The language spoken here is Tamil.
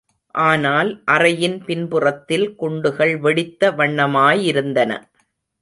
ஆனால் அறையின் பின்புறத்தில் குண்டுகள் வெடித்த வண்ணமாயிருந்தன.